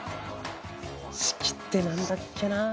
「しき」って何だっけなあ。